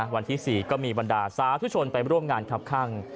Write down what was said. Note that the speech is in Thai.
วันที่๔ก็มีบรรดาสาธุชนไปร่วมงานครับข้าง